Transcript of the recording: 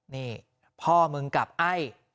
นี่พ่อมึงกับไอ้